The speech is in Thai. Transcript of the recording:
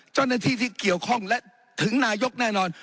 เจ้าหน้าที่ที่เกี่ยวข้องและถึงนายกแน่นอน